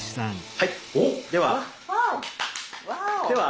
はい！